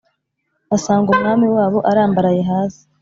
basanga umwami wabo arambaraye hasi